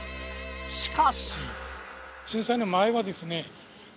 しかし。